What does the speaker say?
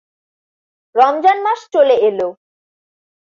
রমজান মাস চলে এলো।